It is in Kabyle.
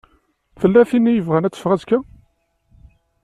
Tella tin i yebɣan ad teffeɣ azekka?